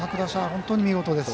本当に見事です。